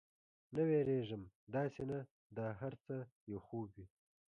نه، وېرېږم، داسې نه دا هر څه یو خوب وي.